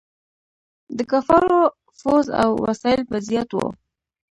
د کفارو فوځ او وسایل به زیات وو.